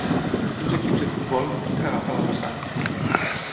Dos equips de futbol intenten agafar la passada